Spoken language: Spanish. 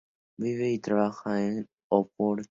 João Machado vive y trabaja en Oporto.